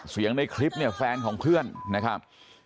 ในคลิปเนี่ยแฟนของเพื่อนนะครับ